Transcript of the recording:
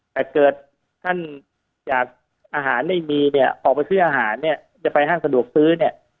แต่เกิดท่านจากอาหารไม่มีเนี่ยออกไปซื้ออาหารเนี่ยจะไปห้างสะดวกซื้อเนี่ย